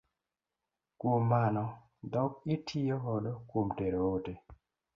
Kuom mano dhok itiyo godo kuom tero ote.